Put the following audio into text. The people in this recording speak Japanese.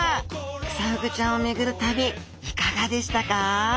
クサフグちゃんを巡る旅いかがでしたか？